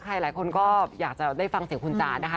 หลายคนก็อยากจะได้ฟังเสียงคุณจ๋านะคะ